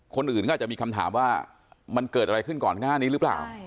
คนอื่นก็อาจจะมีคำถามว่ามันเกิดอะไรขึ้นก่อนหน้านี้หรือเปล่า